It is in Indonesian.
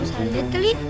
ada hantu ada hantu